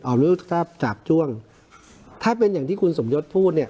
ออกมารูปจากจาบจ้วงถ้าเป็นอย่างที่คุณสมยศพูดเนี้ย